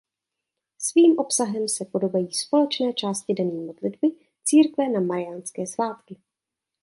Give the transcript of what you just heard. Svým obsahem se podobají společné části denní modlitby církve na mariánské svátky.